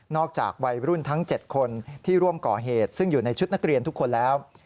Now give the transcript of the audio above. จากวัยรุ่นทั้ง๗คนที่ร่วมก่อเหตุซึ่งอยู่ในชุดนักเรียนทุกคนแล้ว